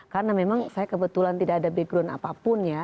karena memang saya kebetulan tidak ada background apapun ya